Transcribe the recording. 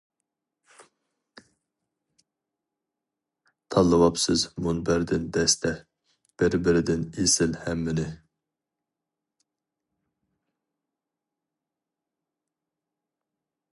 تاللىۋاپسىز مۇنبەردىن دەستە، بىر بىرىدىن ئېسىل ھەممىنى.